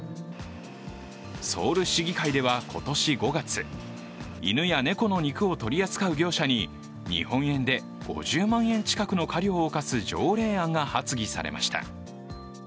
ソウル市議会では今年５月、犬や猫の肉を取り扱う業者に日本円で５０万円近くの過料を科す条例案が発議されました。